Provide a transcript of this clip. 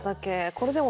これでも。